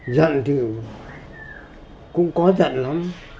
giận thì cũng có giận lắm